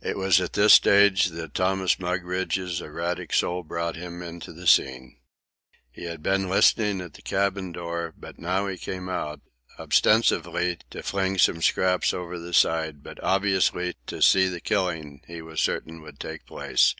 It was at this stage that Thomas Mugridge's erratic soul brought him into the scene. He had been listening at the galley door, but he now came out, ostensibly to fling some scraps over the side, but obviously to see the killing he was certain would take place.